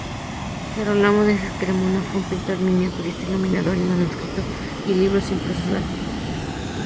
Gerolamo de Cremona fue un pintor miniaturista, iluminador de manuscritos y libros impresos antiguos.